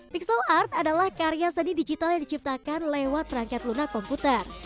pixel art adalah karya seni digital yang diciptakan lewat perangkat lunak komputer